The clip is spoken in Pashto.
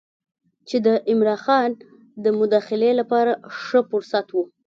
چې د عمرا خان د مداخلې لپاره ښه فرصت و.